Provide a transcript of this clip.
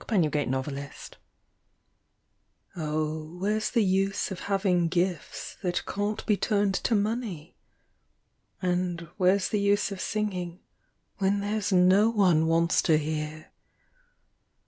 WHERE'S THE USE Oh, where's the use of having gifts that can't be turned to money? And where's the use of singing, when there's no one wants to hear?